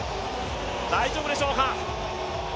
大丈夫でしょうか。